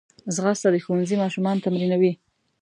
ځغاسته د ښوونځي ماشومان تمرینوي